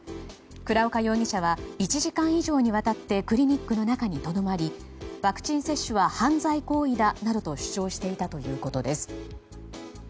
倉岡容疑者は１時間以上にわたってクリニックの中にとどまりワクチン接種は犯罪行為だなどと主張していたということです。